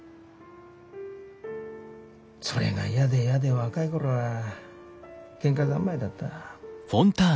それが嫌で嫌で若い頃はケンカ三昧だった。